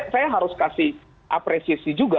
saya harus kasih apresiasi juga